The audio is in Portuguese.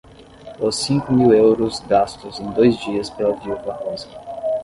Os cinco mil euros gastos em dois dias pela viúva Rosa.